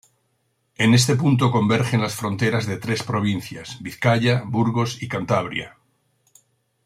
En este punto convergen las fronteras de tres provincias: Vizcaya, Burgos y Cantabria.